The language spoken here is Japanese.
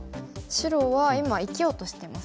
白は今生きようとしてますか？